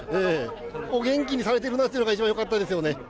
お元気にされてるなっていうのが、一番よかったですね。